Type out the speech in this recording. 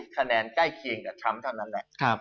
คะแนนใกล้เคียงกับทรัมป์เท่านั้นแหละ